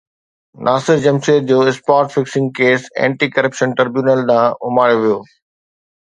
ناصر جمشيد جو spot fixing case anti corruption tribunal ڏانهن اماڻيو ويو